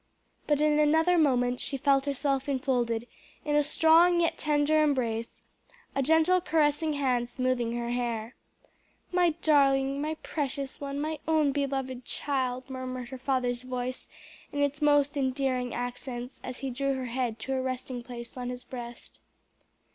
But in another moment she felt herself enfolded in a strong yet tender embrace, a gentle caressing hand smoothing her hair. "My darling, my precious one, my own beloved child!" murmured her father's voice in its most endearing accents, as he drew her head to a resting place on his breast.